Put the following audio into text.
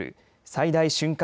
最大瞬間